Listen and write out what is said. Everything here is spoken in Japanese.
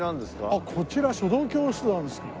あっこちら書道教室なんですか。